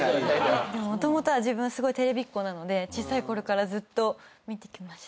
もともとは自分すごいテレビっ子なので小さいころからずっと見てきました。